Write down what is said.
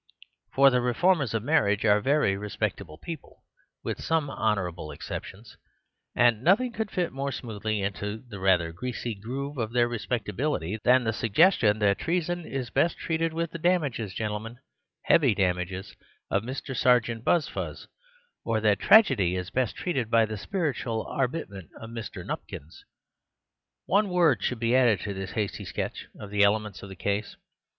For the reformers of marriage are very respectable people, with some honourable exceptions; and nothing could fit more smoothly into the rather greasy groove of their respectability than the sug gestion that treason is best treated with the damages, gentlemen, heavy damages, of Mr. Serjeant Buzf uz ; or that tragedy is best treated by the spiritual arbitrament of Mr. Nupkins. One word should be added to this hasty sketch of the elements of the case.